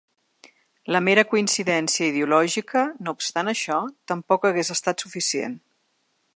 La mera coincidència ideològica, no obstant això, tampoc hagués estat suficient.